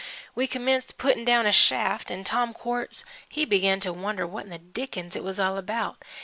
We commenced putt'n' down a shaft, 'n' Tom Quartz he begin to wonder what in the Dickens it was all about.